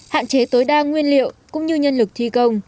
hạn chế tối đa nguyên liệu cũng như nhân lực thi công